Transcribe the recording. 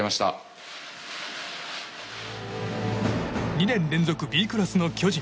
２年連続Ｂクラスの巨人。